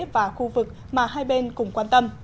và khu vực mà hai bên cũng quan tâm